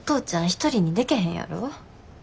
一人にでけへんやろ？